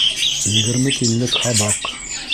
ЕГЕРМЕ ТИНЛЕК ҺАБАҠ